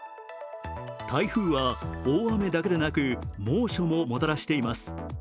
台風は大雨だけでなく猛暑ももたらしています。